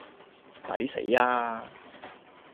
抵死呀